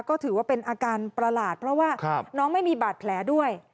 ก็ถือว่าเป็นอาการประหลาดเพราะว่าน้องไม่มีบาดแผลด้วย